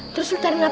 terus lo tarik nafas